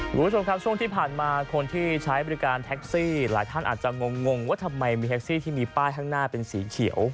คุณผู้ชมครับช่วงที่ผ่านมาคนที่ใช้บริการแท็กซี่หลายท่านอาจจะงงว่าทำไมมีแท็กซี่ที่มีป้ายข้างหน้าเป็นสีเขียว